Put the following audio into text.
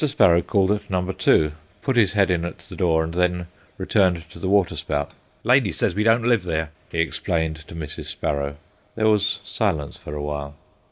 Sparrow called at number two, put his head in at the door, and then returned to the waterspout. "Lady says we don't live there," he explained to Mrs. Sparrow. There was silence for a while.